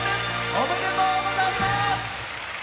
おめでとうございます！